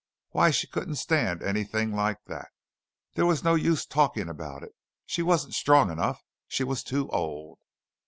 Why, she couldn't stand anything like that. There was no use talking about it. She wasn't strong enough she was too old.